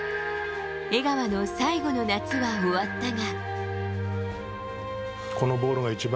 江川の最後の夏は終わったが。